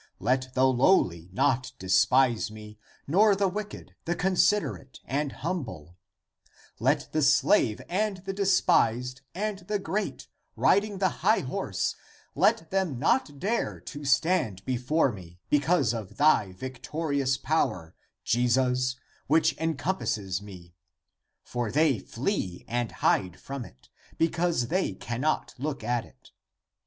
Let the lowly not despise me, nor the wicked, the considerate and humble ; and the slave and the despised and the great, riding the high horse, let them not dare to stand before me because of thy victorious power, Jesus, which encompasses me. For they flee and hide from it, because they cannot look at it.